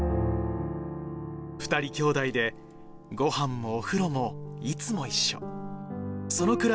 ２人兄弟でごはんもお風呂もいつも一緒。